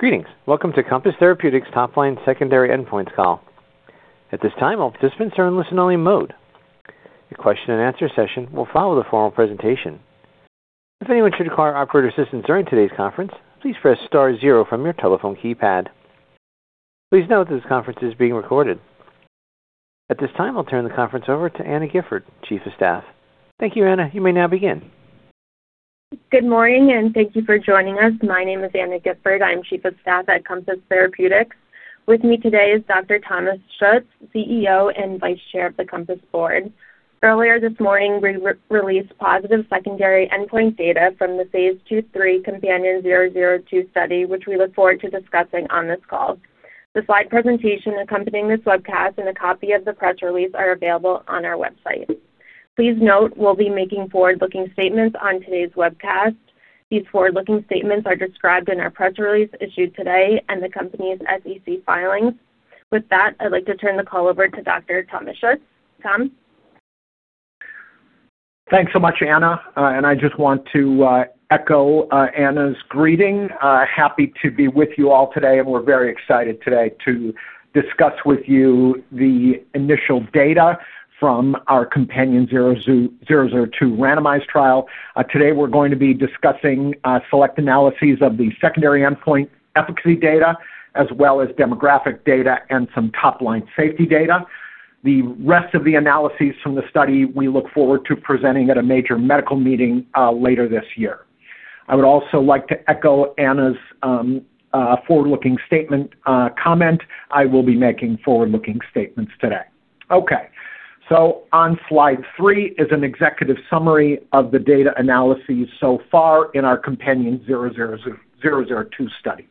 Greetings. Welcome to Compass Therapeutics Topline Secondary Endpoints call. At this time, I'll turn the conference over to Anna Gifford, Chief of Staff. Thank you, Anna. You may now begin. Good morning, and thank you for joining us. My name is Anna Gifford. I'm Chief of Staff at Compass Therapeutics. With me today is Dr. Thomas Schuetz, CEO and Vice Chair of the Compass Board. Earlier this morning, we re-released positive secondary endpoint data from the phase II/III COMPANION-002 study, which we look forward to discussing on this call. The slide presentation accompanying this webcast and a copy of the press release are available on our website. Please note we'll be making forward-looking statements on today's webcast. These forward-looking statements are described in our press release issued today and the company's SEC filings. With that, I'd like to turn the call over to Dr. Thomas Schuetz. Tom? Thanks so much, Anna. I just want to echo Anna's greeting. Happy to be with you all today, and we're very excited today to discuss with you the initial data from our COMPANION-002 randomized trial. Today we're going to be discussing select analyses of the secondary endpoint efficacy data as well as demographic data and some top-line safety data. The rest of the analyses from the study we look forward to presenting at a major medical meeting later this year. I would also like to echo Anna's forward-looking statement comment. I will be making forward-looking statements today. On slide three is an executive summary of the data analyses so far in our COMPANION-002 study.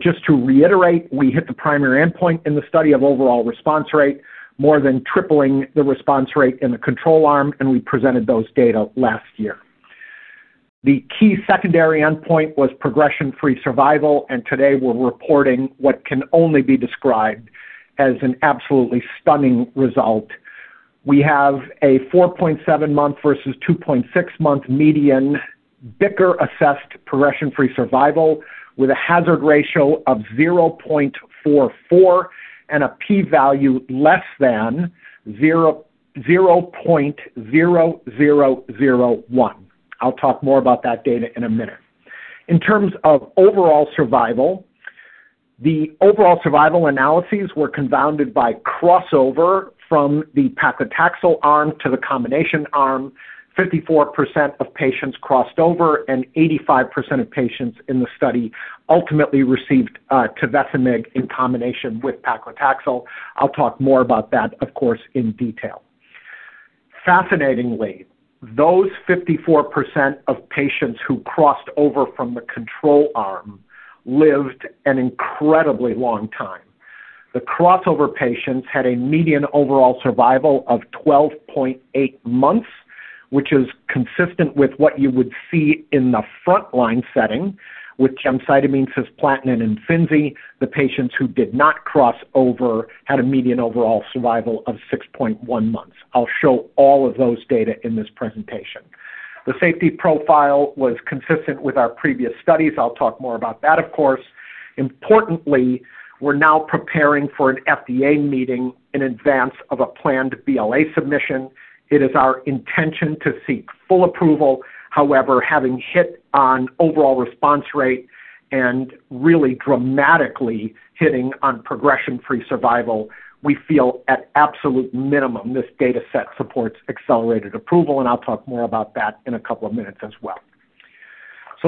Just to reiterate, we hit the primary endpoint in the study of overall response rate, more than tripling the response rate in the control arm, and we presented those data last year. The key secondary endpoint was progression-free survival, and today we're reporting what can only be described as an absolutely stunning result. We have a 4.7 month versus 2.6-month median BICR-assessed progression-free survival with a hazard ratio of 0.44 and a P value less than 0.0001. I'll talk more about that data in a minute. In terms of overall survival, the overall survival analyses were confounded by crossover from the paclitaxel arm to the combination arm. 54% of patients crossed over, and 85% of patients in the study ultimately received tovecimig in combination with paclitaxel. I'll talk more about that, of course, in detail. Fascinatingly, those 54% of patients who crossed over from the control arm lived an incredibly long time. The crossover patients had a median overall survival of 12.8 months, which is consistent with what you would see in the frontline setting with gemcitabine, cisplatin, and Imfinzi. The patients who did not cross over had a median overall survival of 6.1 months. I'll show all of those data in this presentation. The safety profile was consistent with our previous studies. I'll talk more about that, of course. Importantly, we're now preparing for an FDA meeting in advance of a planned BLA submission. It is our intention to seek full approval. However, having hit on overall response rate and really dramatically hitting on progression-free survival, we feel at absolute minimum this data set supports accelerated approval, and I'll talk more about that in a couple of minutes as well.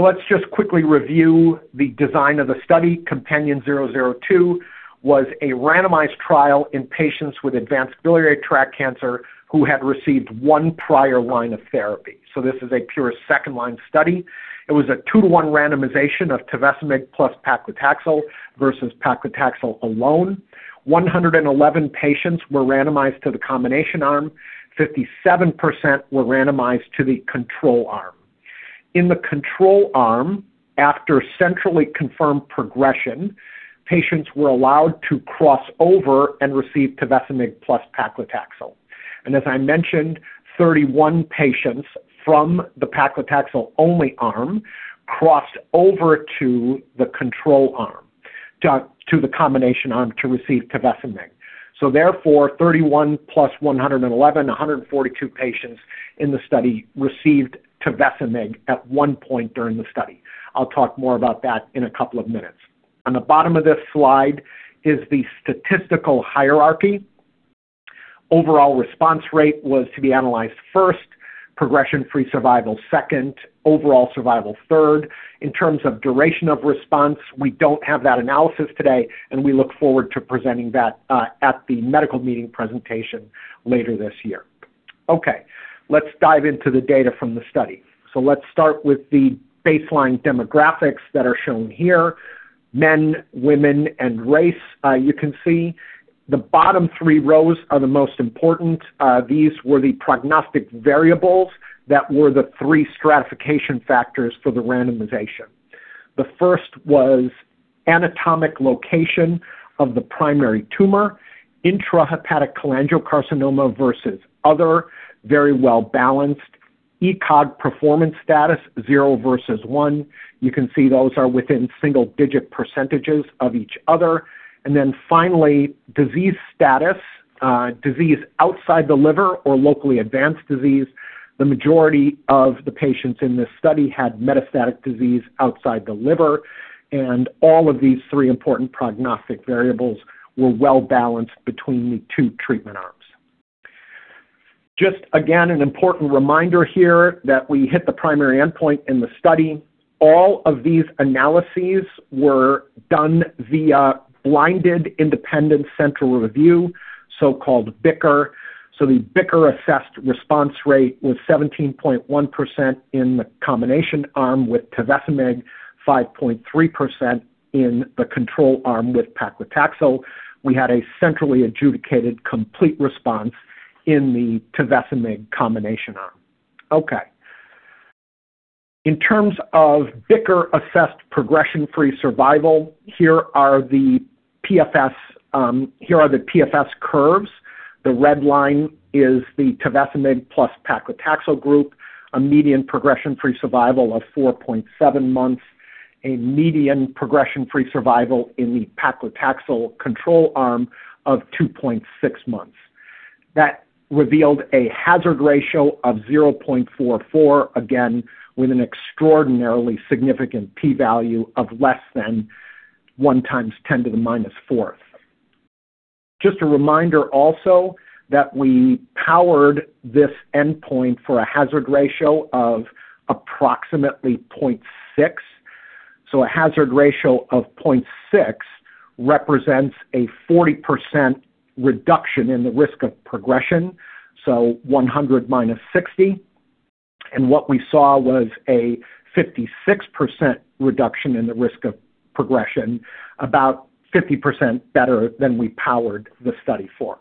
Let's just quickly review the design of the study. COMPANION-002 was a randomized trial in patients with advanced biliary tract cancer who had received one prior line of therapy. This is a pure second-line study. It was a two-one randomization of tovecimig plus paclitaxel versus paclitaxel alone. 111 patients were randomized to the combination arm. 57% were randomized to the control arm. In the control arm, after centrally confirmed progression, patients were allowed to cross over and receive tovecimig plus paclitaxel. As I mentioned, 31 patients from the paclitaxel only arm crossed over to the combination arm to receive tovecimig. Therefore, 31 plus 111, 142 patients in the study received tovecimig at one point during the study. I'll talk more about that in a couple of minutes. On the bottom of this slide is the statistical hierarchy. Overall response rate was to be analyzed first, progression-free survival second, overall survival third. In terms of duration of response, we don't have that analysis today, and we look forward to presenting that at the medical meeting presentation later this year. Let's dive into the data from the study. Let's start with the baseline demographics that are shown here, men, women, and race. You can see the bottom three rows are the most important. Uh, these were the prognostic variables that were the three stratification factors for the randomization. The first was anatomic location of the primary tumor, intrahepatic cholangiocarcinoma versus other, very well balanced. ECOG performance status zero versus one. You can see those are within single-digit percentages of each other. And then finally, disease status, uh, disease outside the liver or locally advanced disease. The majority of the patients in this study had metastatic disease outside the liver, and all of these three important prognostic variables were well-balanced between the two treatment arms. Just again, an important reminder here that we hit the primary endpoint in the study. All of these analyses were done via blinded independent central review, so-called BICR. So the BICR-assessed response rate was seventeen point one percent in the combination arm with Tovesimig, five point 5.3% in the control arm with paclitaxel. We had a centrally adjudicated complete response in the tovecimig combination arm. Okay. In terms of BICR-assessed progression-free survival, here are the PFS curves. The red line is the tovecimig plus paclitaxel group, a median progression-free survival of 4.7 months, a median progression-free survival in the paclitaxel control arm of 2.6 months. That revealed a hazard ratio of 0.44, again, with an extraordinarily significant P value of less than 1 x 10^-4. Just a reminder also that we powered this endpoint for a hazard ratio of approximately 0.6. A hazard ratio of 0.6 represents a 40% reduction in the risk of progression, 100 minus 60. And what we saw was a fifty-six percent reduction in the risk of progression, about fifty percent better than we powered the study for.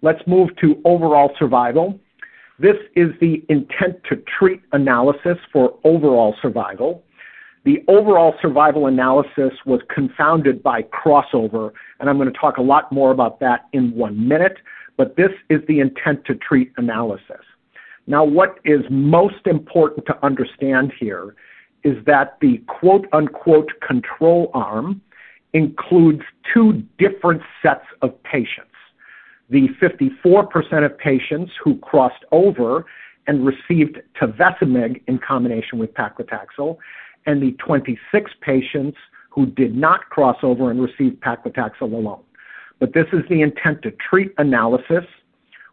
Let's move to overall survival. This is the intent-to-treat analysis for overall survival. The overall survival analysis was confounded by crossover, and I'm going to talk a lot more about that in one minute, but this is the intent-to-treat analysis. Now, what is most important to understand here is that the quote-unquote control arm includes two different sets of patients. The fifty-four percent of patients who crossed over and received Tovesimig in combination with paclitaxel, and the twenty-six patients who did not cross over and received paclitaxel alone. But this is the intent-to-treat analysis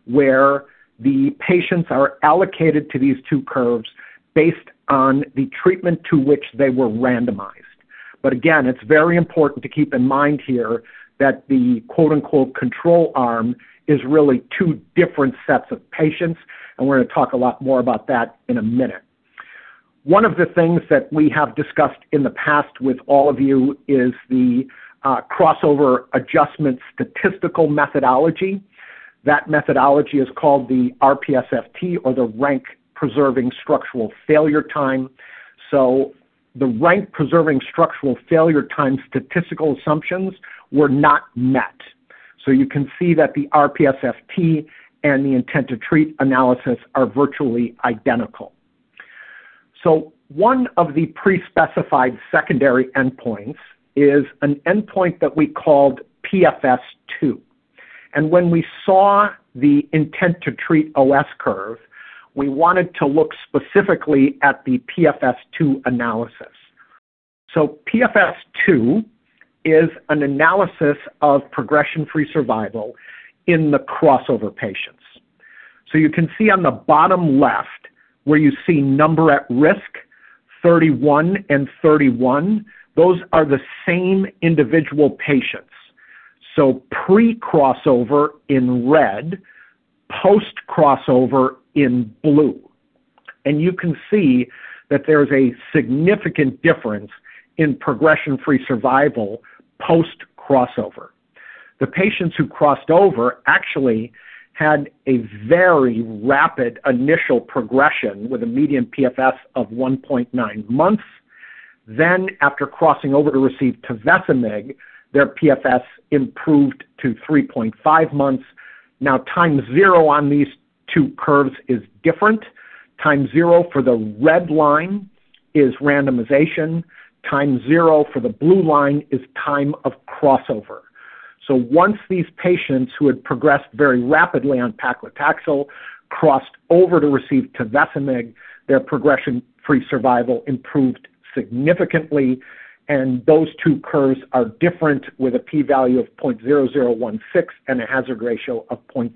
where the patients are allocated to these two curves based on the treatment to which they were randomized. Again, it's very important to keep in mind here that the quote-unquote control arm is really two different sets of patients, and we're going to talk a lot more about that in a minute. One of the things that we have discussed in the past with all of you is the crossover adjustment statistical methodology. That methodology is called the RPSFT or the rank preserving structural failure time. The rank preserving structural failure time statistical assumptions were not met. You can see that the RPSFT and the intent-to-treat analysis are virtually identical. One of the pre-specified secondary endpoints is an endpoint that we called PFS2. When we saw the intent-to-treat OS curve, we wanted to look specifically at the PFS2 analysis. PFS2 is an analysis of progression-free survival in the crossover patients. You can see on the bottom left where you see number at risk, 31 and 31, those are the same individual patients. Pre-crossover in red, post-crossover in blue. You can see that there's a significant difference in progression-free survival post-crossover. The patients who crossed over actually had a very rapid initial progression with a median PFS of 1.9 months. After crossing over to receive tovecimig, their PFS improved to 3.5 months. Time zero on these two curves is different. Time zero for the red line is randomization. Time zero for the blue line is time of crossover. Once these patients who had progressed very rapidly on paclitaxel crossed over to receive tovecimig, their progression-free survival improved significantly. Those two curves are different with a P value of 0.0016 and a hazard ratio of 0.36.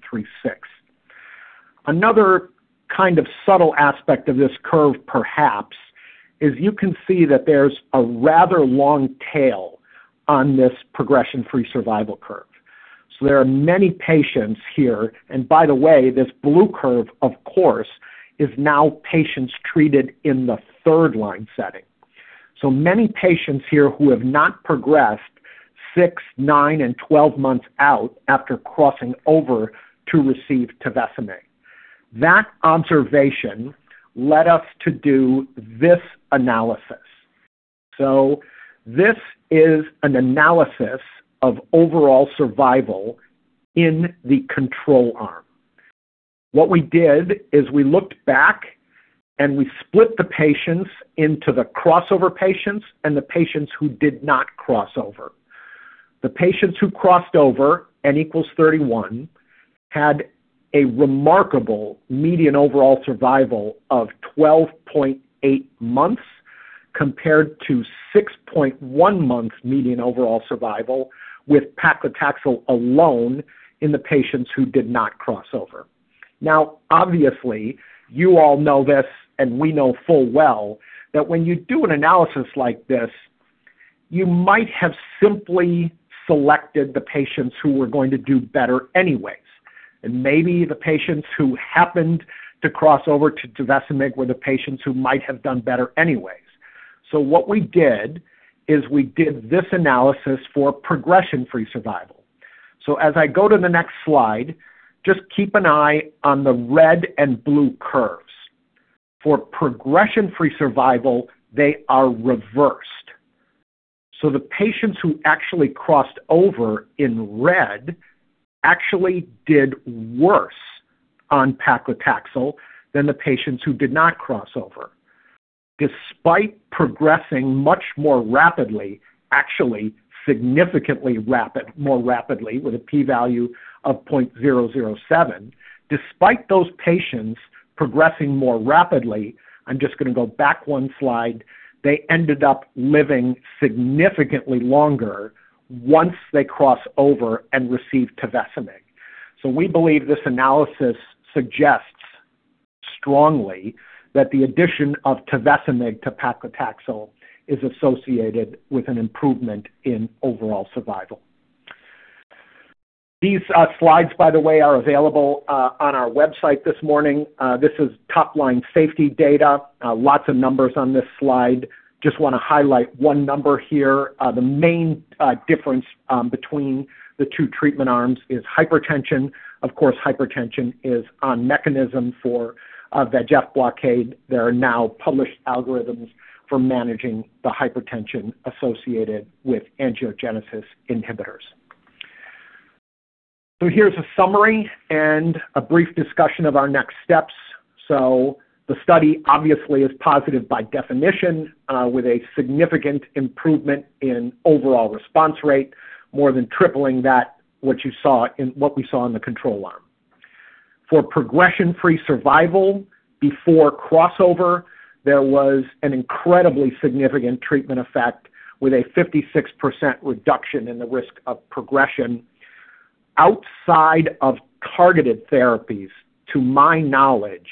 Another kind of subtle aspect of this curve perhaps is you can see that there's a rather long tail on this progression-free survival curve. There are many patients here. By the way, this blue curve, of course, is now patients treated in the third-line setting. Many patients here who have not progressed six, nine, and 12 months out after crossing over to receive Tovesimig. That observation led us to do this analysis. This is an analysis of overall survival in the control arm. What we did is we looked back and we split the patients into the crossover patients and the patients who did not cross over. The patients who crossed over, N equals thirty-one, had a remarkable median overall survival of 12.8 months compared to 6.1 month median overall survival with paclitaxel alone in the patients who did not cross over. Now, obviously, you all know this, and we know full well that when you do an analysis like this, you might have simply selected the patients who were going to do better anyways. And maybe the patients who happened to cross over to Tovesimig were the patients who might have done better anyways. So what we did is we did this analysis for progression-free survival. So as I go to the next slide, just keep an eye on the red and blue curves. For progression-free survival, they are reversed. So the patients who actually crossed over in red actually did worse on paclitaxel than the patients who did not cross over. Despite progressing much more rapidly, actually significantly more rapidly with a P value of 0.007. Despite those patients progressing more rapidly, I'm just going to go back one slide, they ended up living significantly longer once they cross over and receive tovecimig. We believe this analysis suggests strongly that the addition of tovecimig to paclitaxel is associated with an improvement in overall survival. These slides, by the way, are available on our website this morning. This is top-line safety data. Lots of numbers on this slide. Just want to highlight one number here. The main difference between the two treatment arms is hypertension. Of course, hypertension is on mechanism for a VEGF blockade. There are now published algorithms for managing the hypertension associated with angiogenesis inhibitors. Here's a summary and a brief discussion of our next steps. The study obviously is positive by definition, with a significant improvement in overall response rate, more than tripling that what we saw in the control arm. For progression-free survival before crossover, there was an incredibly significant treatment effect with a 56% reduction in the risk of progression. Outside of targeted therapies, to my knowledge,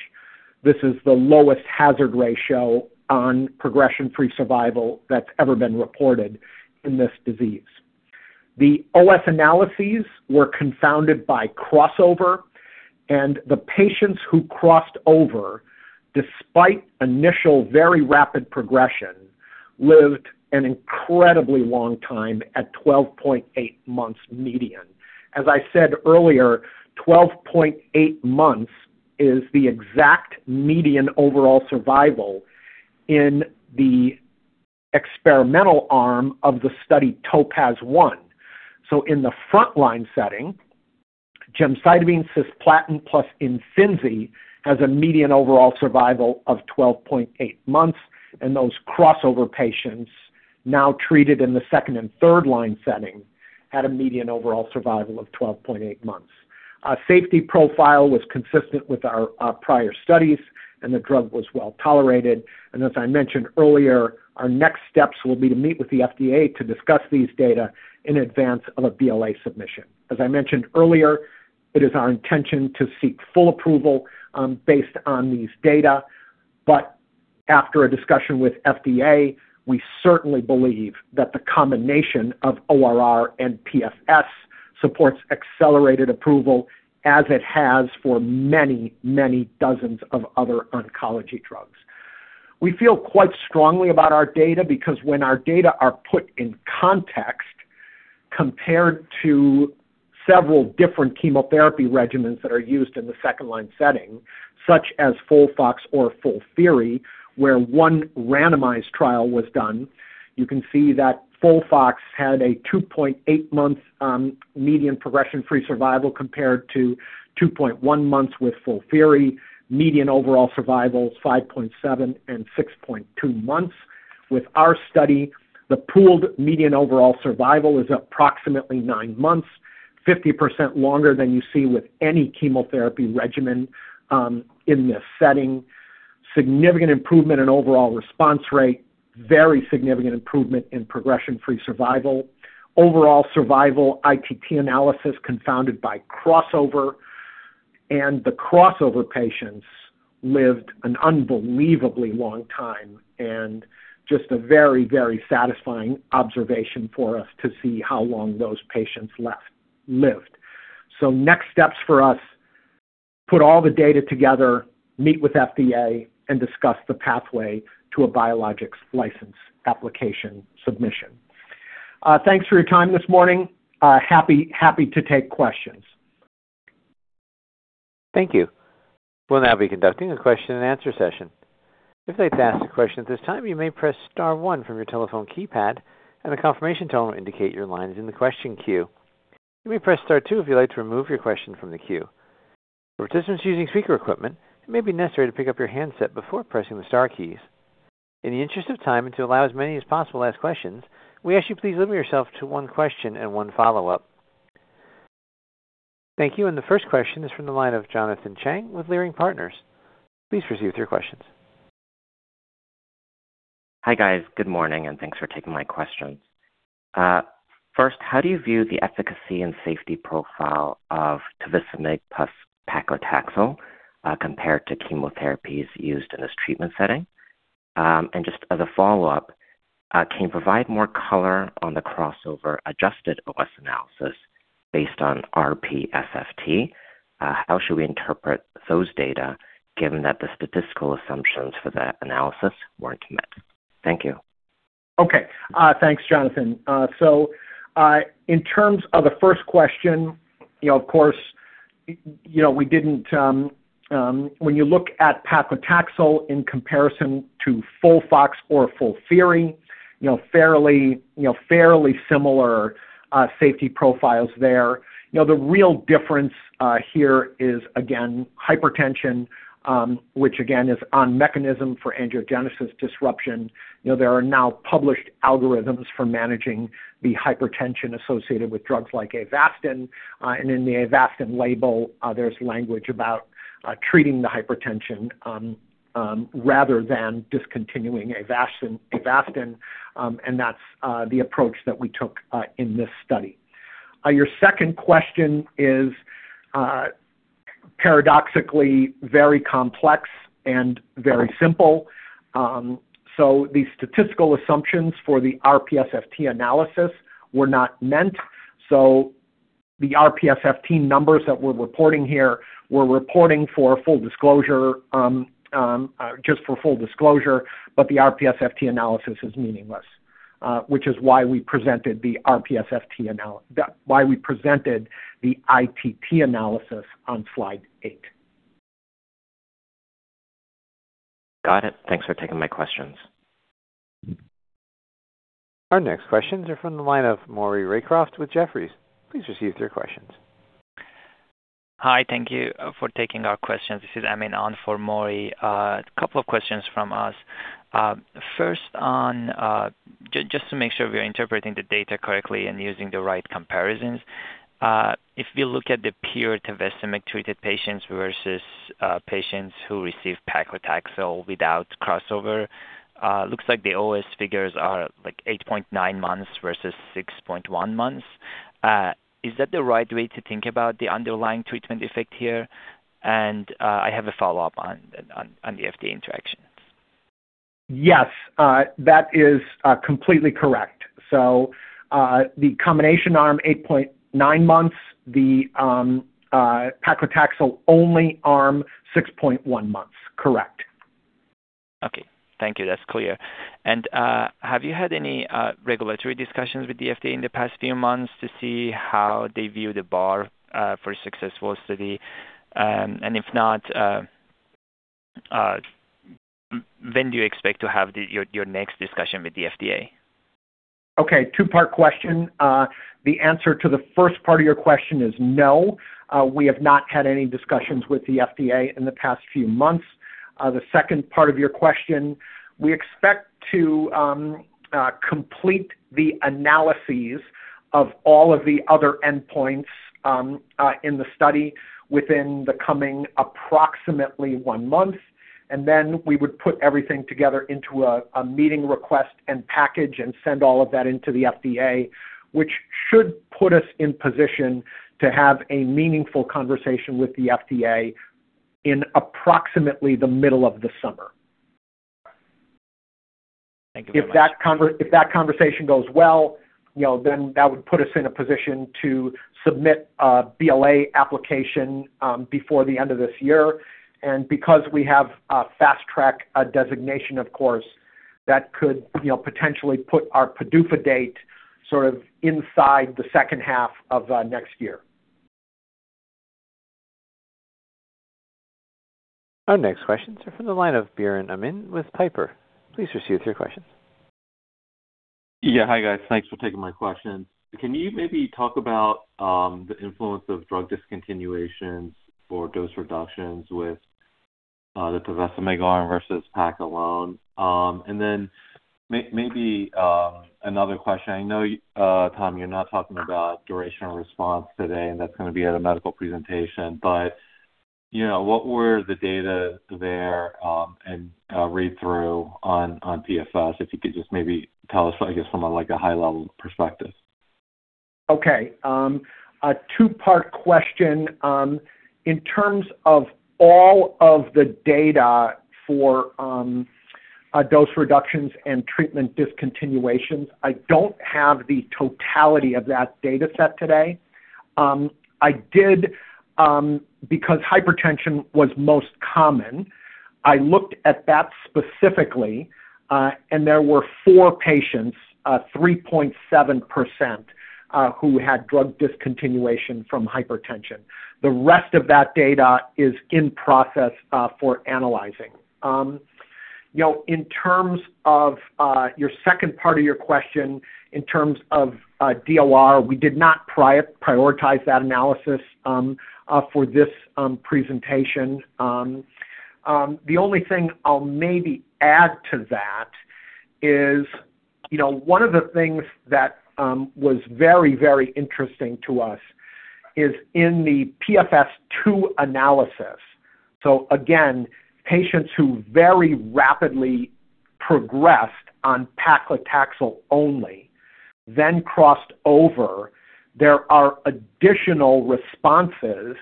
this is the lowest hazard ratio on progression-free survival that's ever been reported in this disease. The OS analyses were confounded by crossover, and the patients who crossed over, despite initial very rapid progression, lived an incredibly long time at 12.8 months median. As I said earlier, 12.8 months is the exact median overall survival in the experimental arm of the study TOPAZ-1. In the front line setting, gemcitabine cisplatin plus Imfinzi has a median overall survival of 12.8 months, and those crossover patients now treated in the second and third line setting had a median overall survival of 12.8 months. A safety profile was consistent with our prior studies, and the drug was well-tolerated. As I mentioned earlier, our next steps will be to meet with the FDA to discuss these data in advance of a BLA submission. As I mentioned earlier, it is our intention to seek full approval based on these data. After a discussion with FDA, we certainly believe that the combination of ORR and PFS supports accelerated approval as it has for many, many dozens of other oncology drugs. We feel quite strongly about our data because when our data are put in context compared to several different chemotherapy regimens that are used in the second-line setting, such as FOLFOX or FOLFIRI, where one randomized trial was done, you can see that FOLFOX had a 2.8-month median progression-free survival compared to 2.1 months with FOLFIRI, median overall survival is 5.7 and 6.2 months. With our study, the pooled median overall survival is approximately nine months, 50% longer than you see with any chemotherapy regimen in this setting. Significant improvement in overall response rate, very significant improvement in progression-free survival. Overall survival, ITT analysis confounded by crossover. The crossover patients lived an unbelievably long time and just a very, very satisfying observation for us to see how long those patients lived. Next steps for us, put all the data together, meet with FDA, and discuss the pathway to a Biologics License Application submission. Thanks for your time this morning. Happy to take questions. Thank you. We'll now be conducting a question and answer session. If you'd like to ask a question at this time, you may press star one from your telephone keypad and a confirmation tone will indicate your line is in the question queue. You may press star two if you'd like to remove your question from the queue. For participants using speaker equipment, it may be necessary to pick up your handset before pressing the star keys. In the interest of time and to allow as many as possible to ask questions, we ask you please limit yourself to one question and one follow-up. Thank you, the first question is from the line of Jonathan Chang with Leerink Partners. Please proceed with your questions. Hi, guys. Good morning, thanks for taking my questions. First, how do you view the efficacy and safety profile of tavasomig plus paclitaxel compared to chemotherapies used in this treatment setting? Just as a follow-up, can you provide more color on the crossover adjusted OS analysis based on RPSFT? How should we interpret those data given that the statistical assumptions for that analysis weren't met? Thank you. Okay. Thanks, Jonathan. In terms of the first question, you know, of course, you know, When you look at paclitaxel in comparison to FOLFOX or FOLFIRI, you know, fairly similar safety profiles there. You know, the real difference here is again hypertension, which again is on mechanism for angiogenesis disruption. You know, there are now published algorithms for managing the hypertension associated with drugs like Avastin. In the Avastin label, there's language about treating the hypertension rather than discontinuing Avastin, and that's the approach that we took in this study. Your second question is paradoxically very complex and very simple. The statistical assumptions for the RPSFT analysis were not meant, so the RPSFT numbers that we're reporting here, we're reporting for full disclosure, just for full disclosure, but the RPSFT analysis is meaningless, which is why we presented the IPE analysis on slide eight. Got it. Thanks for taking my questions. Our next questions are from the line of Maury Raycroft with Jefferies. Please proceed with your questions. Hi. Thank you for taking our questions. This is Amin on for Mori. A couple of questions from us. First on, just to make sure we're interpreting the data correctly and using the right comparisons, if you look at the pure tavasomig treated patients versus patients who receive paclitaxel without crossover, looks like the OS figures are like 8.9 months versus 6.1 months. Is that the right way to think about the underlying treatment effect here? I have a follow-up on the FDA interactions. Yes. That is completely correct. The combination arm 8.9 months, the paclitaxel only arm 6.1 months. Correct. Okay. Thank you. That's clear. Have you had any regulatory discussions with the FDA in the past few months to see how they view the bar for successful study? If not, when do you expect to have your next discussion with the FDA? Okay, two-part question. The answer to the first part of your question is no, we have not had any discussions with the FDA in the past few months. The second part of your question, we expect to complete the analyses of all of the other endpoints in the study within the coming approximately 1 month, and then we would put everything together into a meeting request and package and send all of that into the FDA, which should put us in position to have a meaningful conversation with the FDA in approximately the middle of the summer. Thank you very much. If that conversation goes well, you know, then that would put us in a position to submit a BLA application, before the end of this year. Because we have a Fast Track designation, of course, that could, you know, potentially put our PDUFA date sort of inside the second half of next year. Our next questions are from the line of Biren Amin with Piper. Please proceed with your questions. Hi, guys. Thanks for taking my questions. Can you maybe talk about the influence of drug discontinuations for dose reductions with the tavasomig arm versus pac alone? Then maybe another question. I know Tom, you're not talking about duration of response today, and that's gonna be at a medical presentation, but, you know, what were the data there, and read through on PFS? If you could just maybe tell us, I guess, from a high-level perspective. Okay. A two-part question. In terms of all of the data for dose reductions and treatment discontinuations, I don't have the totality of that data set today. I did, because hypertension was most common, I looked at that specifically, and there were 4 patients, 3.7% who had drug discontinuation from hypertension. The rest of that data is in process for analyzing. You know, in terms of your second part of your question, in terms of DOR, we did not prioritize that analysis for this presentation. The only thing I'll maybe add to that is, you know, one of the things that was very, very interesting to us is in the PFS2 analysis. Again, patients who very rapidly progressed on paclitaxel only then crossed over, there are additional responses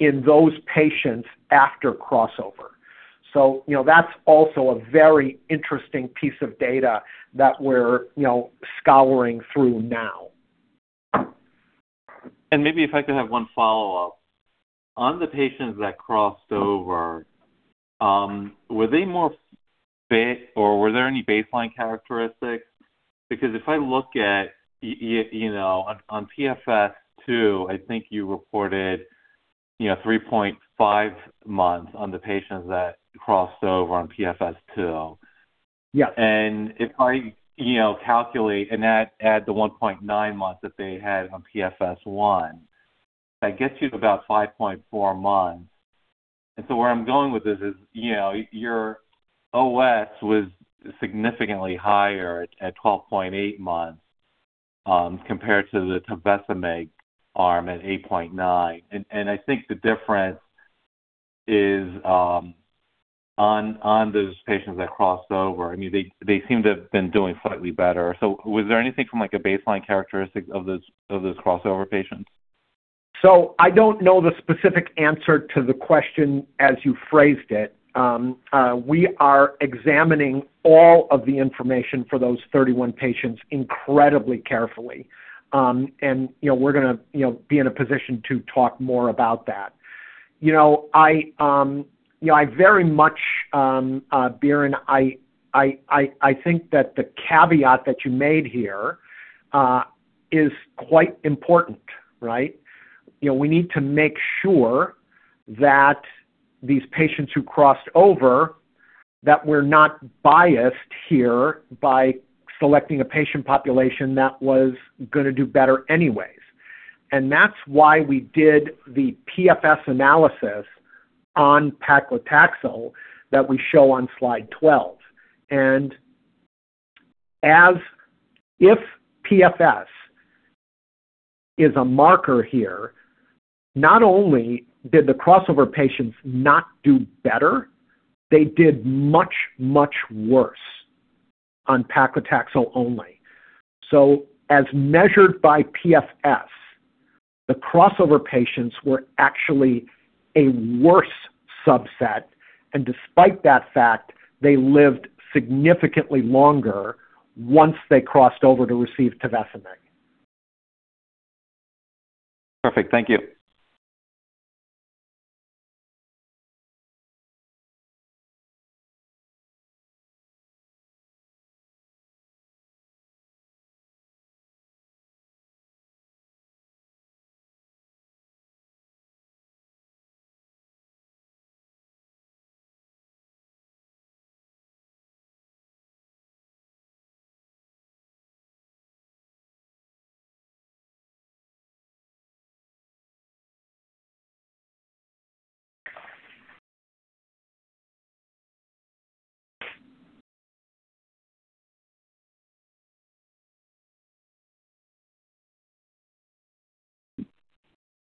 in those patients after crossover. You know, that's also a very interesting piece of data that we're, you know, scouring through now. Maybe if I could have 1 follow-up? On the patients that crossed over, were they more or were there any baseline characteristics? Because if I look at, you know, on PFS2, I think you reported, you know, 3.5 months on the patients that crossed over on PFS2. Yeah. If I, you know, calculate and add the 1.9 months that they had on PFS1, that gets you to about 5.4 months. Where I'm going with this is, you know, your OS was significantly higher at 12.8 months, compared to the tavasomig arm at 8.9. I think the difference is, on those patients that crossed over. I mean, they seem to have been doing slightly better. Was there anything from, like, a baseline characteristic of those crossover patients? I don't know the specific answer to the question as you phrased it. We are examining all of the information for those 31 patients incredibly carefully. You know, we're gonna, you know, be in a position to talk more about that. You know, I, you know, I very much, Biren, I think that the caveat that you made here, is quite important, right? You know, we need to make sure that these patients who crossed over, that we're not biased here by selecting a patient population that was gonna do better anyways. That's why we did the PFS analysis on paclitaxel that we show on slide 12. If PFS is a marker here, not only did the crossover patients not do better, they did much, much worse on paclitaxel only. As measured by PFS, the crossover patients were actually a worse subset, and despite that fact, they lived significantly longer once they crossed over to receive tovesimig. Perfect. Thank you.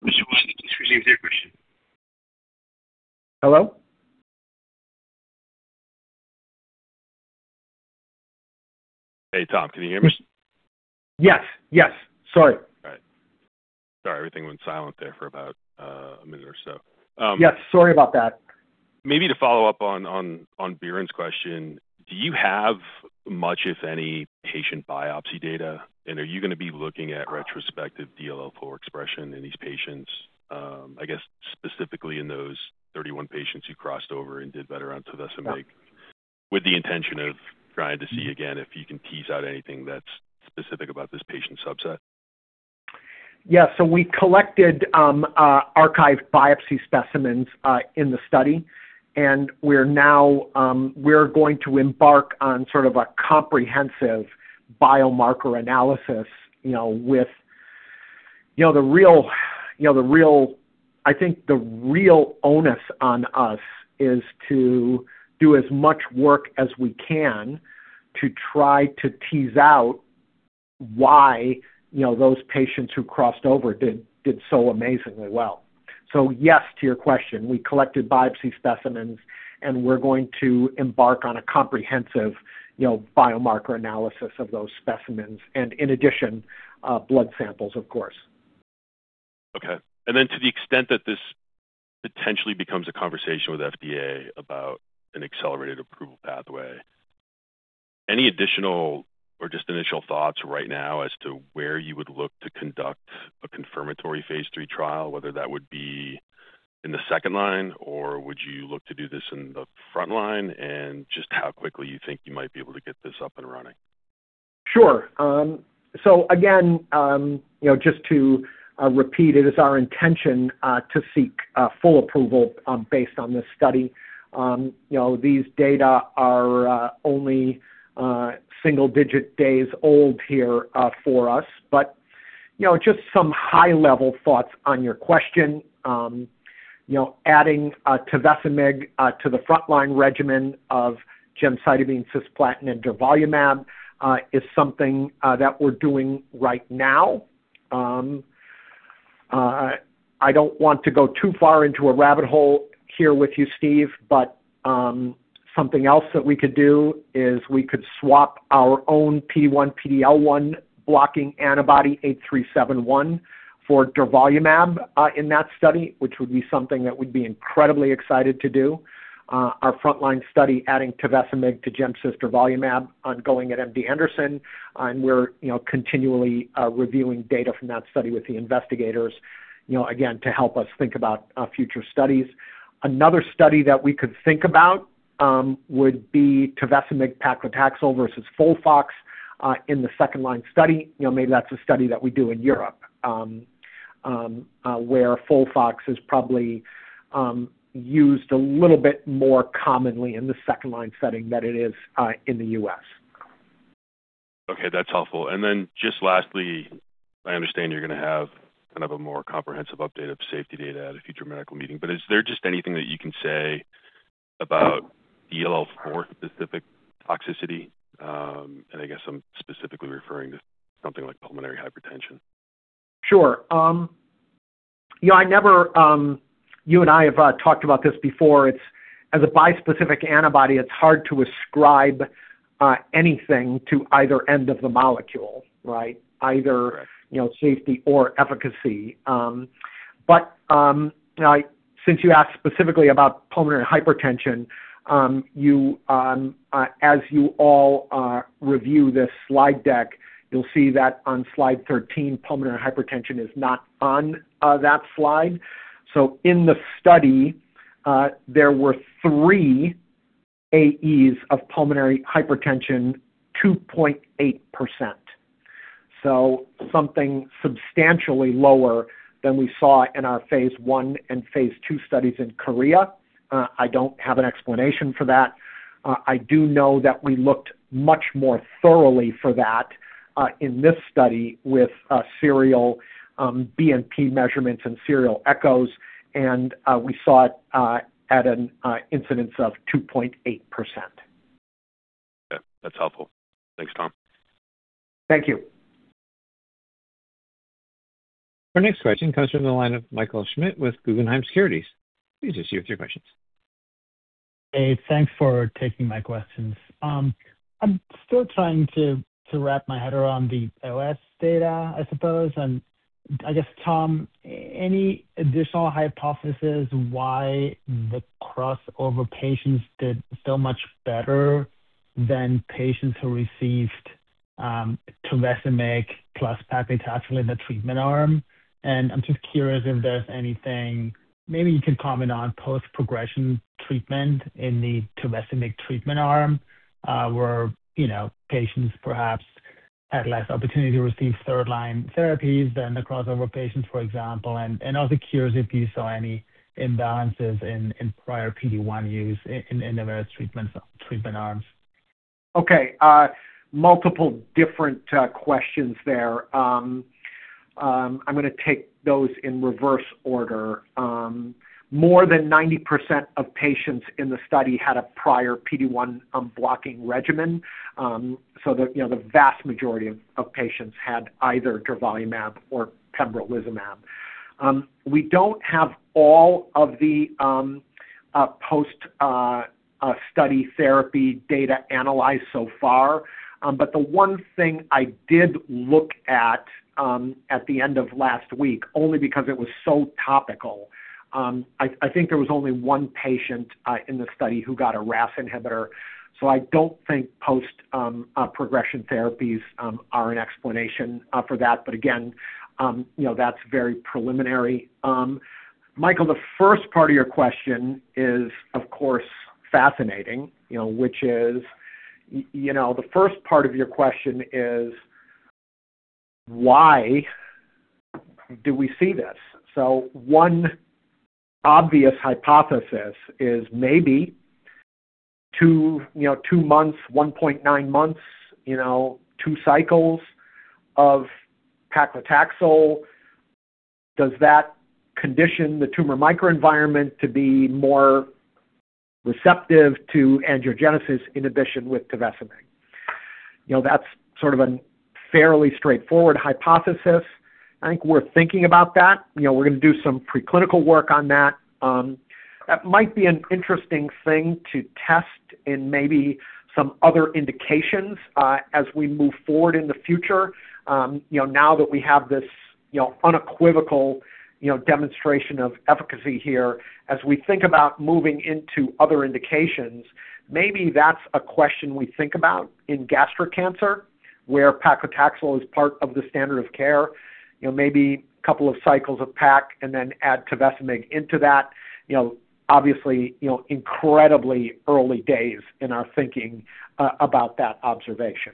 Mr. Weiss, you can proceed with your question. Hello? Hey, Tom. Can you hear me? Yes. Yes. Sorry. All right. Sorry, everything went silent there for about, a minute or so. Yes, sorry about that. Maybe to follow up on Biren's question, do you have much, if any, patient biopsy data? Are you gonna be looking at retrospective DLL4 expression in these patients, I guess specifically in those 31 patients who crossed over and did better on tavasomig, with the intention of trying to see again if you can tease out anything that's specific about this patient subset? We collected archive biopsy specimens in the study, and we're now going to embark on sort of a comprehensive biomarker analysis. I think the real onus on us is to do as much work as we can to try to tease out why, you know, those patients who crossed over did so amazingly well. Yes, to your question, we collected biopsy specimens, and we're going to embark on a comprehensive, you know, biomarker analysis of those specimens and in addition, blood samples, of course. Okay. To the extent that this potentially becomes a conversation with FDA about an accelerated approval pathway. Any additional or just initial thoughts right now as to where you would look to conduct a confirmatory phase III trial, whether that would be in the second line, or would you look to do this in the front line and just how quickly you think you might be able to get this up and running? Sure. You know, just to repeat, it is our intention to seek full approval based on this study. You know, these data are only single-digit days old here for us. You know, just some high-level thoughts on your question. You know, adding tovecimig to the frontline regimen of gemcitabine, cisplatin, and durvalumab is something that we're doing right now. I don't want to go too far into a rabbit hole here with you, Steve, something else that we could do is we could swap our own PD-1/PD-L1 blocking antibody 8371 for durvalumab in that study, which would be something that we'd be incredibly excited to do. Our frontline study adding tovecimig to gemcitabine durvalumab ongoing at MD Anderson, and we're, you know, continually reviewing data from that study with the investigators, you know, again, to help us think about future studies. Another study that we could think about would be tovecimig paclitaxel versus FOLFOX in the second-line study. You know, maybe that's a study that we do in Europe, where FOLFOX is probably used a little bit more commonly in the second-line setting than it is in the U.S. Okay, that's helpful. Just lastly, I understand you're gonna have kind of a more comprehensive update of safety data at a future medical meeting, but is there just anything that you can say about DLL4 specific toxicity? I guess I'm specifically referring to something like pulmonary hypertension. Sure. You know, You and I have talked about this before. It's as a bispecific antibody, it's hard to ascribe anything to either end of the molecule, right, either, you know, safety or efficacy. But since you asked specifically about pulmonary hypertension, you as you all review this slide deck, you'll see that on slide 13, pulmonary hypertension is not on that slide. In the study, there were three AEs of pulmonary hypertension, 2.8%. Something substantially lower than we saw in our phase I and phase II studies in Korea. I don't have an explanation for that. I do know that we looked much more thoroughly for that in this study with serial BNP measurements and serial echoes. We saw it at an incidence of 2.8%. Yeah. That's helpful. Thanks, Tom. Thank you. Our next question comes from the line of Michael Schmidt with Guggenheim Securities. Please proceed with your questions. Hey, thanks for taking my questions. I'm still trying to wrap my head around the OS data, I suppose. I guess, Tom, any additional hypothesis why the crossover patients did so much better than patients who received tovecimig plus paclitaxel in the treatment arm? I'm just curious if there's anything maybe you can comment on post-progression treatment in the tovecimig treatment arm, where, you know, patients perhaps had less opportunity to receive third-line therapies than the crossover patients, for example. Also curious if you saw any imbalances in prior PD-1 use in the various treatment arms. Okay, multiple different questions there. I'm gonna take those in reverse order. More than 90% of patients in the study had a prior PD-1 blocking regimen. The, you know, the vast majority of patients had either durvalumab or pembrolizumab. We don't have all of the post study therapy data analyzed so far. The one thing I did look at at the end of last week, only because it was so topical, I think there was only one patient in the study who got a BRAF inhibitor, so I don't think post progression therapies are an explanation for that. Again, you know, that's very preliminary. Michael, the first part of your question is, of course, fascinating, you know, which is, you know, the first part of your question is why do we see this? One obvious hypothesis is maybe two, you know, two months, 1.9 months, you know, two cycles of paclitaxel, does that condition the tumor microenvironment to be more receptive to angiogenesis inhibition with tovecimig? You know, that's sort of a fairly straightforward hypothesis. I think we're thinking about that. You know, we're gonna do some preclinical work on that. That might be an interesting thing to test in maybe some other indications, as we move forward in the future, you know, now that we have this, you know, unequivocal, you know, demonstration of efficacy here. As we think about moving into other indications, maybe that's a question we think about in gastric cancer, where paclitaxel is part of the standard of care, you know, maybe couple of cycles of pac and then add tovecimig into that, you know, obviously, you know, incredibly early days in our thinking about that observation.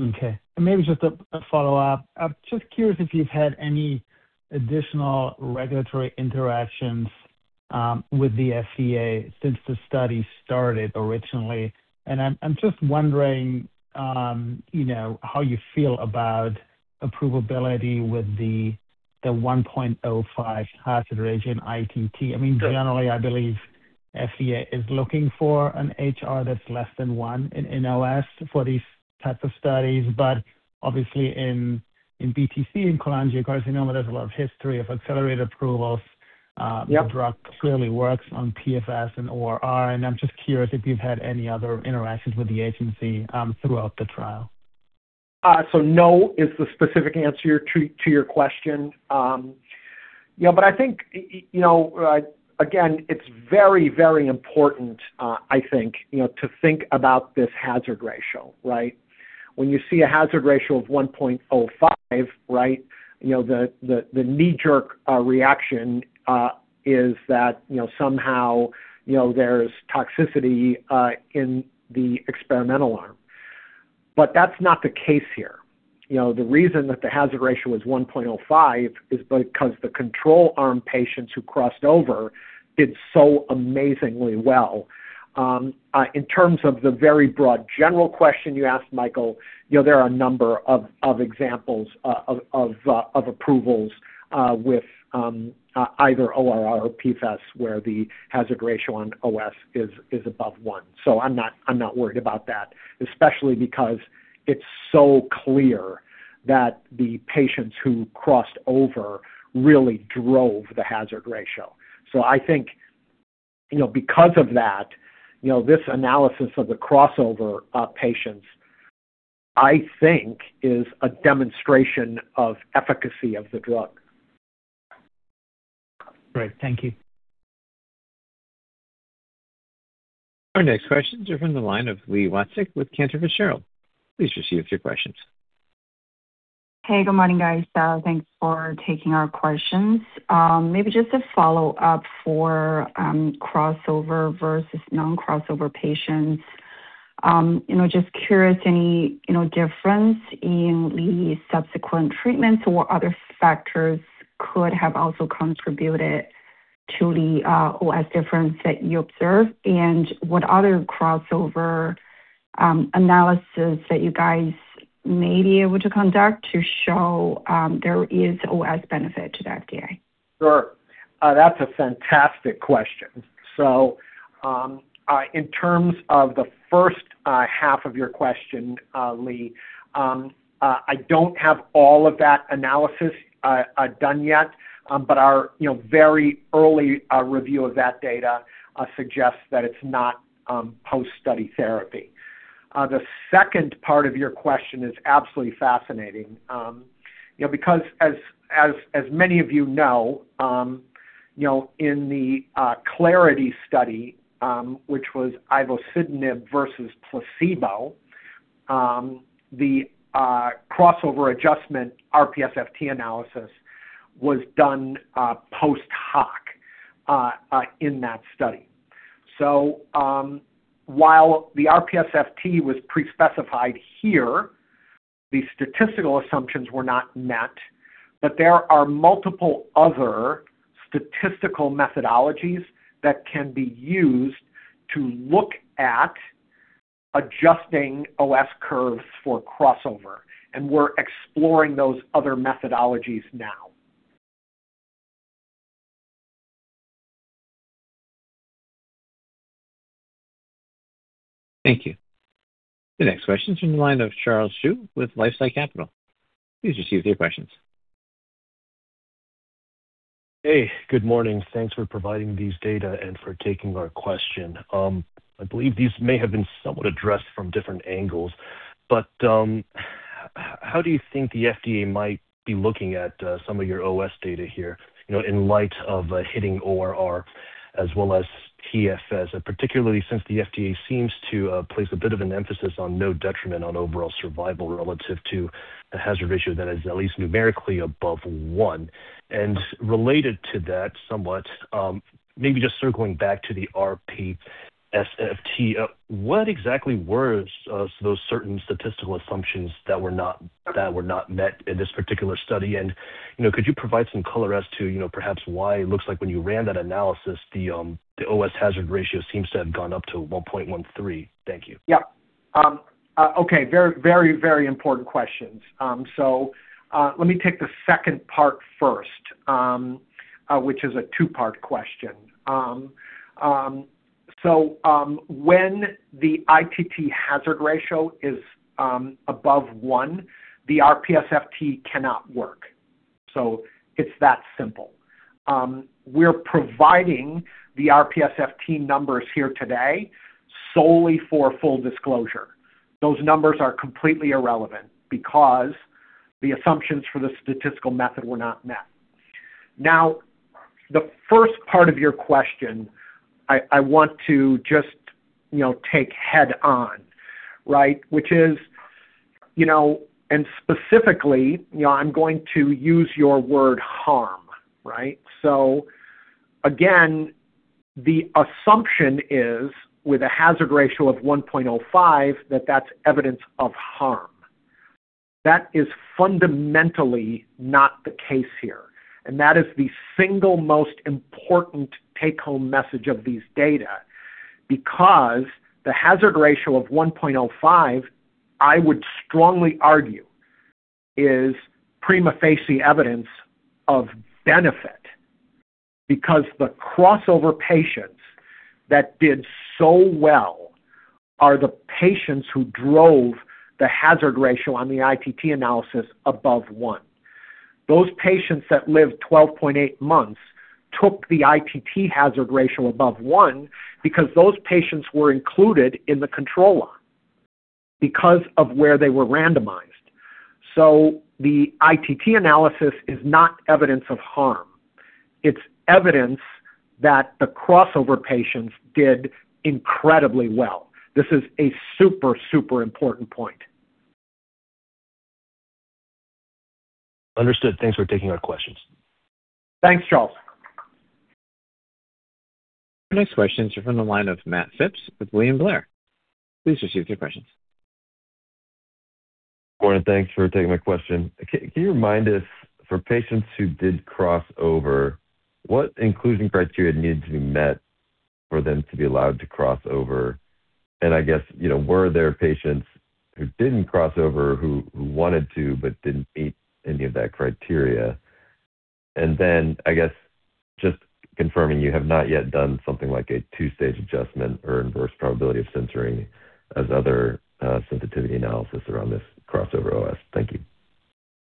Okay. Maybe just a follow-up, I'm just curious if you've had any additional regulatory interactions, with the FDA since the study started originally. I'm just wondering, you know, how you feel about approvability with the 1.05 hazard ratio in ITT. Sure. I mean, generally, I believe FDA is looking for an HR that's less than one in OS for these types of studies. Obviously in BTC, in cholangiocarcinoma, there's a lot of history of accelerated approvals. Yep. The drug clearly works on PFS and ORR, and I'm just curious if you've had any other interactions with the agency, throughout the trial. No is the specific answer to your question. you know, but I think, you know, again, it's very, very important, I think, you know, to think about this hazard ratio. When you see a hazard ratio of 1.05, you know, the knee-jerk reaction is that, you know, somehow, you know, there's toxicity in the experimental arm. That's not the case here. You know, the reason that the hazard ratio is 1.05 is because the control arm patients who crossed over did so amazingly well. in terms of the very broad general question you asked, Michael, you know, there are a number of examples of approvals with either ORR or PFS where the hazard ratio on OS is above one. I'm not, I'm not worried about that, especially because it's so clear that the patients who crossed over really drove the hazard ratio. I think, you know, because of that, you know, this analysis of the crossover patients, I think is a demonstration of efficacy of the drug. Great. Thank you. Our next questions are from the line of Li Watsek with Cantor Fitzgerald. Please proceed with your questions. Hey, good morning, guys. Thanks for taking our questions. Maybe just a follow-up for crossover versus non-crossover patients, you know, just curious any, you know, difference in the subsequent treatments or other factors could have also contributed to the OS difference that you observed and what other crossover analysis that you guys may be able to conduct to show there is OS benefit to the FDA? Sure. That's a fantastic question. In terms of the first half of your question, Li, I don't have all of that analysis done yet, but our, you know, very early review of that data suggests that it's not post-study therapy. The second part of your question is absolutely fascinating, you know, because as many of you know, you know, in the ClarIDHy study, which was ivosidenib versus placebo, the crossover adjustment RPSFT analysis was done post-hoc in that study. While the RPSFT was pre-specified here, the statistical assumptions were not met, but there are multiple other statistical methodologies that can be used to look at adjusting OS curves for crossover, and we're exploring those other methodologies now. Thank you. The next question is from the line of Charles Hsu with Life Sci Capital. Please proceed with your questions. Hey, good morning. Thanks for providing these data and for taking our question. I believe these may have been somewhat addressed from different angles, how do you think the FDA might be looking at some of your OS data here, you know, in light of hitting ORR as well as PFS? Particularly since the FDA seems to place a bit of an emphasis on no detriment on overall survival relative to the hazard ratio that is at least numerically above one. Related to that somewhat, maybe just circling back to the RPSFT, what exactly was those certain statistical assumptions that were not met in this particular study? You know, could you provide some color as to, you know, perhaps why it looks like when you ran that analysis, the OS hazard ratio seems to have gone up to 1.13. Thank you. Okay. Very important questions. Let me take the second part first, which is a two-part question. When the ITT hazard ratio is above 1, the RPSFT cannot work. It's that simple. We're providing the RPSFT numbers here today solely for full disclosure. Those numbers are completely irrelevant because the assumptions for the statistical method were not met. Now, the first part of your question I want to just, you know, take head on, right, which is, you know, and specifically, you know, I'm going to use your word harm, right? Again, the assumption is with a hazard ratio of 1.05 that that's evidence of harm. That is fundamentally not the case here, and that is the single most important take-home message of these data because the hazard ratio of 1.05, I would strongly argue, is prima facie evidence of benefit because the crossover patients that did so well are the patients who drove the hazard ratio on the ITT analysis above one. Those patients that lived 12.8 months took the ITT hazard ratio above one because those patients were included in the control arm because of where they were randomized. So the ITT analysis is not evidence of harm. It's evidence that the crossover patients did incredibly well. This is a super important point. Understood. Thanks for taking our questions. Thanks, Charles. Our next questions are from the line of Matt Phipps with William Blair. Please proceed with your questions. Morning. Thanks for taking my question. Can you remind us, for patients who did cross over, what inclusion criteria needed to be met for them to be allowed to cross over? I guess, you know, were there patients who didn't cross over who wanted to but didn't meet any of that criteria? Then I guess just confirming, you have not yet done something like a two-stage adjustment or inverse probability of censoring as other sensitivity analysis around this crossover OS. Thank you.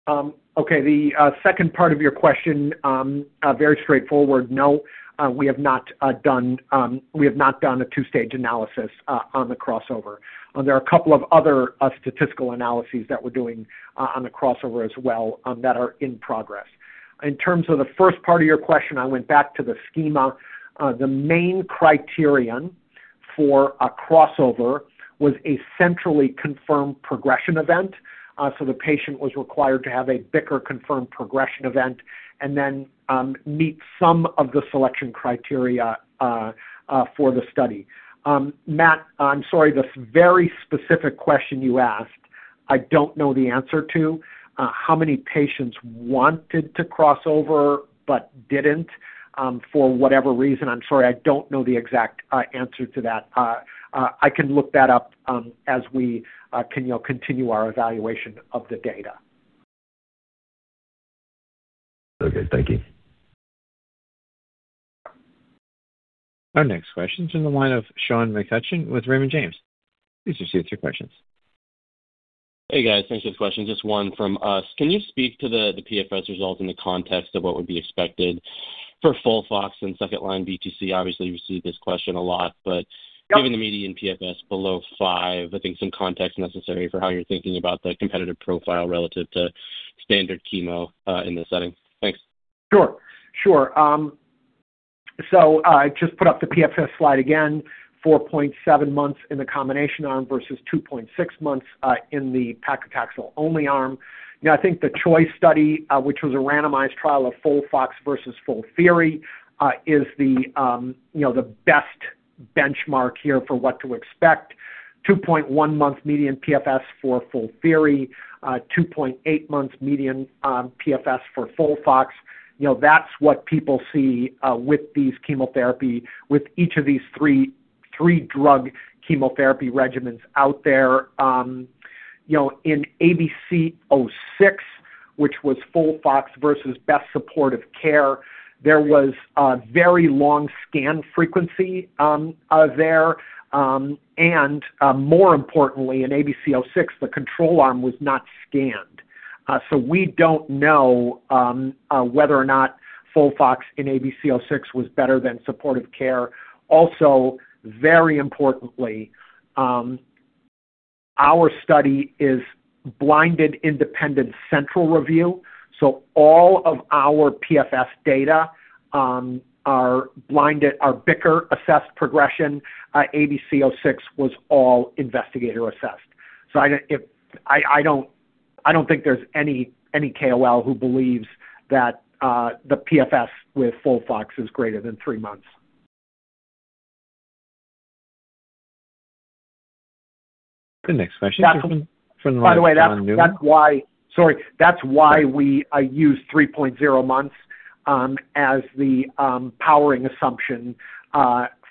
Um, okay, the, uh, second part of your question, um, uh, very straightforward. No, uh, we have not, uh, done, um, we have not done a two-stage analysis, uh, on the crossover. There are a couple of other, uh, statistical analyses that we're doing o-on the crossover as well, um, that are in progress. In terms of the first part of your question, I went back to the schema. Uh, the main criterion for a crossover was a centrally confirmed progression event. Uh, so the patient was required to have a BICR confirmed progression event and then, um, meet some of the selection criteria, uh, for the study. Um, Matt, I'm sorry, this very specific question you asked, I don't know the answer to. Uh, how many patients wanted to cross over but didn't, um, for whatever reason, I'm sorry, I don't know the exact, uh, answer to that. Uh, uh, I can look that up, um, as we, uh, can, you know, continue our evaluation of the data. Okay. Thank you. Our next question's from the line of Sean McCutcheon with Raymond James. Please proceed with your questions. Hey, guys. Thanks for the question. Just one from us. Can you speak to the PFS results in the context of what would be expected for FOLFOX and second-line BTC? Obviously, you receive this question a lot. Yep. -given the median PFS below five, I think some context necessary for how you're thinking about the competitive profile relative to standard chemo, uh, in this setting. Thanks. Sure. Sure. Um, so, uh, I just put up the PFS slide again, 4.7 months in the combination arm versus 2.6 months, uh, in the paclitaxel only arm. You know, I think the CHOI study, uh, which was a randomized trial of Full Fox versus Full Theory, uh, is the, um, you know, the best benchmark here for what to expect. 2.1 month median PFS for Full Theory, uh, 2.8 months median, um, PFS for Full Fox. You know, that's what people see, uh, with these chemotherapy with each of these three drug chemotherapy regimens out there. Um, you know, in ABC-06, which was Full Fox versus best supportive care, there was a very long scan frequency, um, uh, there. Um, and, um, more importantly, in ABC-06, the control arm was not scanned. We don't know whether or not FOLFOX in ABC-06 was better than supportive care. Also, very importantly, our study is blinded independent central review, so all of our PFS data are BICR assessed progression. ABC-06 was all investigator-assessed. I don't think there's any KOL who believes that the PFS with FOLFOX is greater than threemonths. The next question. That's- Is from the line of John Newman. By the way, that's why. Sorry. That's why we use 3.0 months as the powering assumption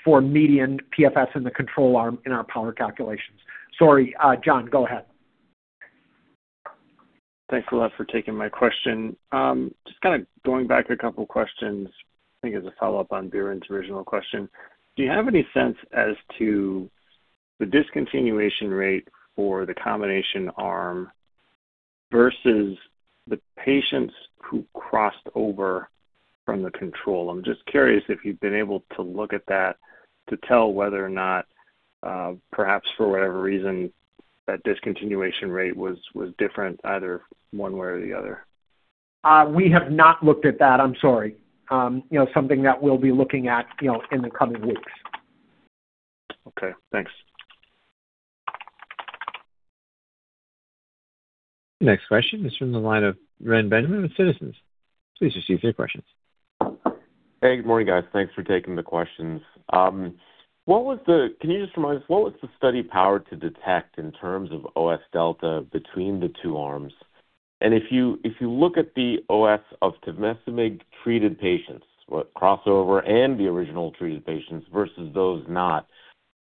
for median PFS in the control arm in our power calculations. Sorry, John, go ahead. Thanks a lot for taking my question. Um, just kinda going back a couple questions, I think as a follow-up on Biren's original question, do you have any sense as to the discontinuation rate for the combination arm versus the patients who crossed over from the control? I'm just curious if you've been able to look at that to tell whether or not, uh, perhaps for whatever reason, that discontinuation rate was different either one way or the other. Uh, we have not looked at that. I'm sorry. Um, you know, something that we'll be looking at, you know, in the coming weeks. Okay. Thanks. Next question is from the line of Ren Benjamin with Citizens. Please proceed with your questions. Hey, good morning, guys. Thanks for taking the questions. Um, what was the... Can you just remind us, what was the study power to detect in terms of OS delta between the two arms? And if you, if you look at the OS of tavasomig treated patients, both crossover and the original treated patients versus those not,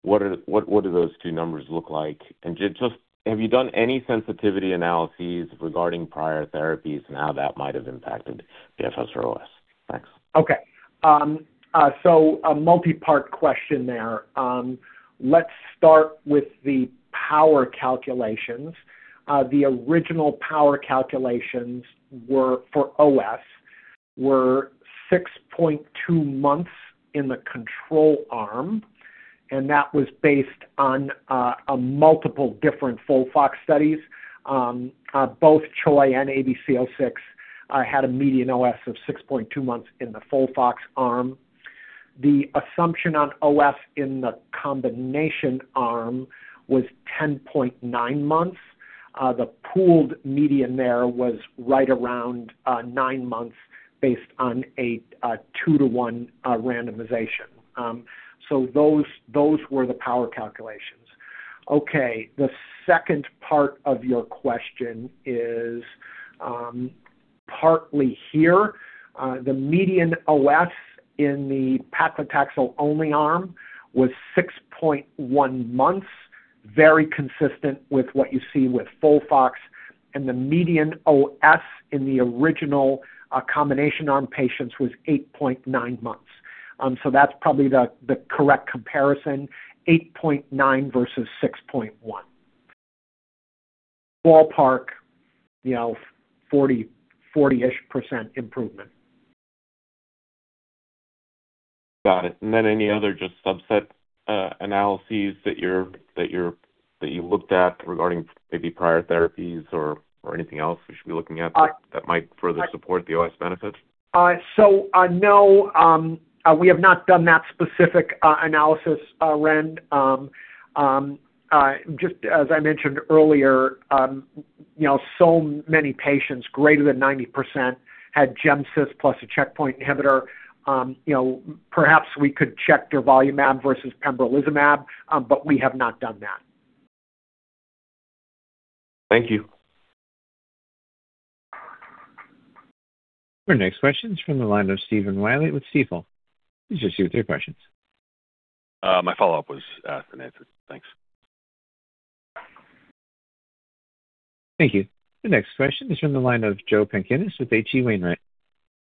what are, what do those two numbers look like? And just, have you done any sensitivity analyses regarding prior therapies and how that might have impacted the PFS or OS? Thanks. Okay. Um, uh, so a multi-part question there. Um, let's start with the power calculations. Uh, the original power calculations were for OS, were 6.2 months in the control arm, and that was based on, uh, a multiple different FOLFOX studies. Um, uh, both Choi and ABC-06, uh, had a median OS of 6.2 six months in the FOLFOX arm. The assumption on OS in the combination arm was 10.9 months. Uh, the pooled median there was right around, uh, nine months based on a two-to-one, uh, randomization. Um, so those were the power calculations. Okay. The second part of your question is, um, partly here. Uh, the median OS in the paclitaxel only arm was 6.1 six months, very consistent with what you see with FOLFOX, and the median OS in the original, uh, combination arm patients was 8.9 eight months. Um, so that's probably the correct comparison, 8.9 versus 6.1. Ballpark, you know, forty-ish percent improvement. Got it. And then any other just subset, uh, analyses that you're, that you're, that you looked at regarding maybe prior therapies or anything else we should be looking at that might further support the OS benefits? Uh, so, uh, no, um, uh, we have not done that specific, uh, analysis, uh, Ren. Um, um, uh, just as I mentioned earlier, um, you know, so many patients, greater than ninety percent, had Gemcitabine plus a checkpoint inhibitor. Um, you know, perhaps we could check durvalumab versus pembrolizumab, um, but we have not done that. Thank you. Our next question is from the line of Stephen Willey with Stifel. Please proceed with your questions. My follow-up was unanswered. Thanks. Thank you. The next question is from the line of Joe Pantginis with H.C. Wainwright.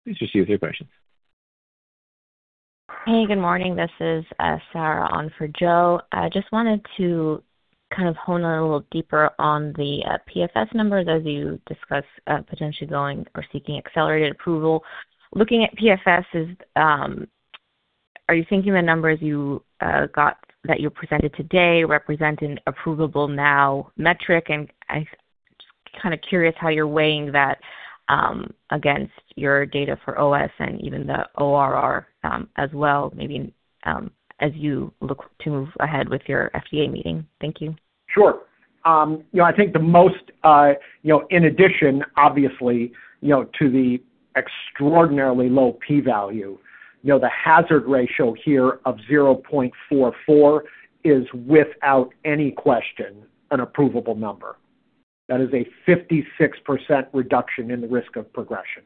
Please proceed with your questions. Hey, good morning. This is, uh, Sarah on for Joe. I just wanted to kind of hone in a little deeper on the, uh, PFS numbers as you discuss, uh, potentially going or seeking accelerated approval. Looking at PFS is, um, are you thinking the numbers you, uh, got that you presented today represent an approvable now metric? And I'm just kinda curious how you're weighing that, um, against your data for OS and even the ORR, um, as well, maybe, um, as you look to move ahead with your FDA meeting. Thank you. Sure. Um, you know, I think the most, uh, you know, in addition, obviously, you know, to the extraordinarily low P value, you know, the hazard ratio here of 0.44 is without any question an approvable number. That is a fifty-six percent reduction in the risk of progression.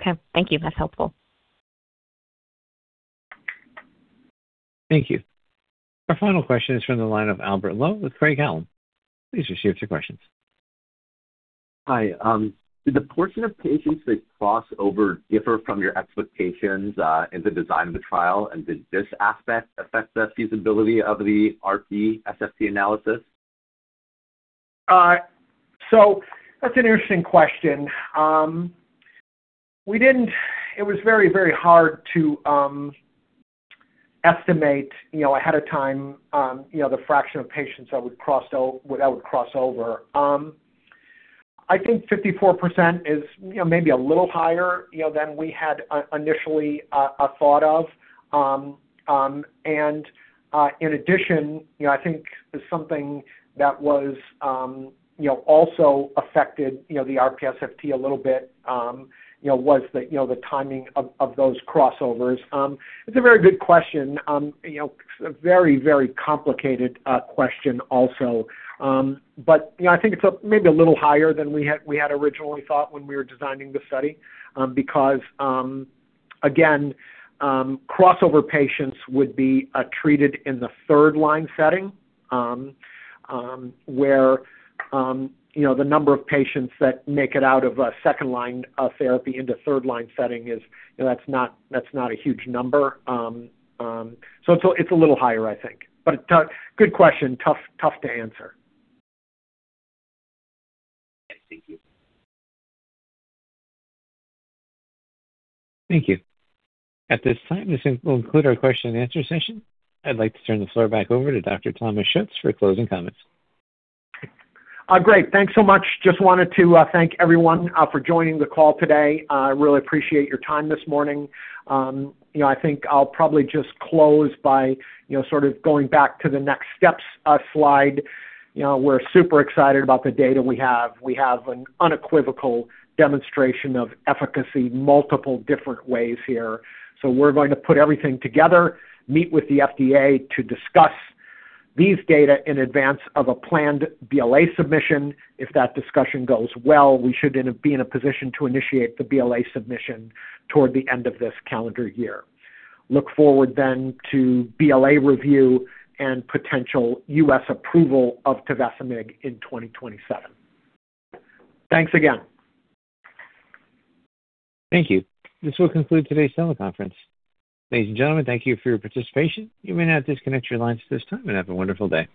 Okay. Thank you. That's helpful. Thank you. Our final question is from the line of Albert Lowe with Craig-Hallum. Please proceed with your questions. Hi. Did the portion of patients that crossed over differ from your expectations, in the design of the trial? Did this aspect affect the feasibility of the RPSFT analysis? That's an interesting question. It was very, very hard to estimate, you know, ahead of time, you know, the fraction of patients that would cross over. I think 54% is, you know, maybe a little higher, you know, than we had initially thought of. In addition, you know, I think something that was, you know, also affected, you know, the RP-SFT a little bit, you know, was the, you know, the timing of those crossovers. It's a very good question. You know, it's a very, very complicated question also. You know, I think it's a maybe a little higher than we had originally thought when we were designing the study, because again, crossover patients would be treated in the third line setting, where, you know, the number of patients that make it out of a second line therapy into third line setting is, you know, that's not a huge number. So it's a little higher, I think. Good question. Tough to answer. Yes. Thank you. Thank you. At this time, this will conclude our question and answer session. I'd like to turn the floor back over to Dr. Thomas Schuetz for closing comments. Great. Thanks so much. Just wanted to thank everyone for joining the call today. Really appreciate your time this morning. You know, I think I'll probably just close by, you know, sort of going back to the next steps slide. You know, we're super excited about the data we have. We have an unequivocal demonstration of efficacy multiple different ways here. We're going to put everything together, meet with the FDA to discuss these data in advance of a planned BLA submission. If that discussion goes well, we should then be in a position to initiate the BLA submission toward the end of this calendar year. Look forward then to BLA review and potential U.S. approval of tavasomig in 2027. Thanks again. Thank you. This will conclude today's teleconference. Ladies and gentlemen, thank you for your participation. You may now disconnect your lines at this time, and have a wonderful day.